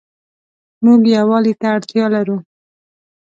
موږ يووالي ته اړتيا لرو